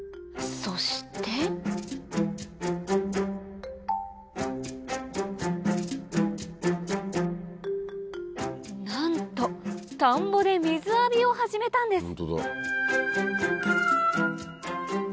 そしてなんと田んぼで水浴びを始めたんです